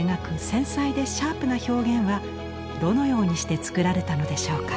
繊細でシャープな表現はどのようにして作られたのでしょうか？